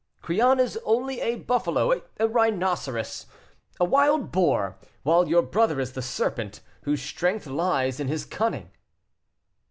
"Crillon is only a buffalo a rhinoceros a wild boar; while your brother is the serpent, whose strength lies in his cunning."